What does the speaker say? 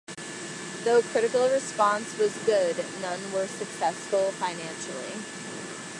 Though critical response was good, none were successful financially.